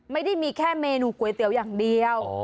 ไม่ได้มีแค่เมนูก๋วยเตี๋ยวอย่างเดียว